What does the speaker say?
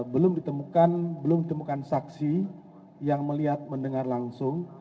belum ditemukan saksi yang melihat mendengar langsung